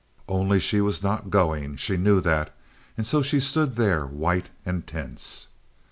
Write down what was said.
Only she was not going. She knew that—and so she stood there white and tense.